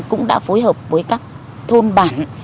cũng đã phối hợp với các thôn bản